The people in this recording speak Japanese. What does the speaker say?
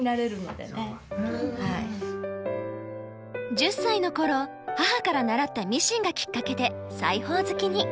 １０歳の頃母から習ったミシンがきっかけで裁縫好きに。